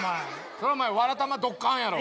そらお前「わらたまドッカン」やろ。